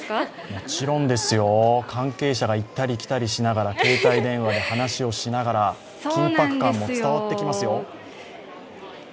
もちろんですよ、関係者が行ったり来たりしながら携帯電話で話をしながら、緊迫感も伝わってきますよ。